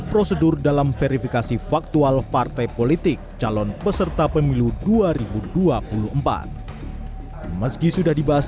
prosedur dalam verifikasi faktual partai politik calon peserta pemilu dua ribu dua puluh empat meski sudah dibahas